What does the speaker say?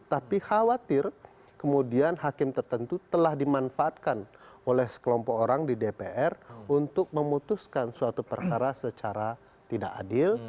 tapi khawatir kemudian hakim tertentu telah dimanfaatkan oleh sekelompok orang di dpr untuk memutuskan suatu perkara secara tidak adil